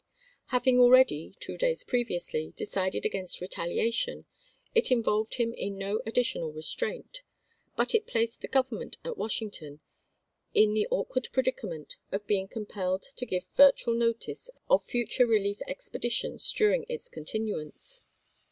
Having already, two days previously, decided against retaliation, it involved him in no additional restraint, but it placed the Government at Washington in the awkward predicament of being compelled to give virtual notice of future relief expeditions during its continuance.